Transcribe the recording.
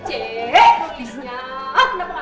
kenapa gak nanya gigi dulu